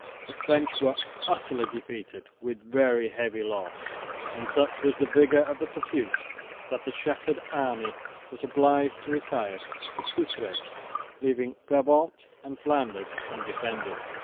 The French were utterly defeated with very heavy loss; and such was the vigour of the pursuit that the shattered army was obliged to retire to Courtrai, leaving Brabant and Flanders undefended.